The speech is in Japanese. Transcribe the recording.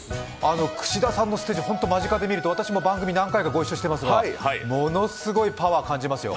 串田さんのステージ、間近で見ると何回かご一緒してますのでものすごいパワー感じますよ。